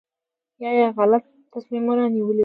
یا یې غلط تصمیمونه نیولي وي.